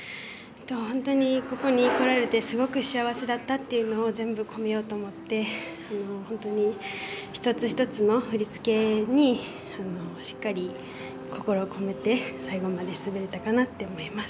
本当にここに来られてすごく幸せだったというのを全部込めようと思って本当に１つ１つの振り付けにしっかり心を込めて最後まで滑れたかなと思います。